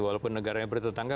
walaupun negara yang bertetangga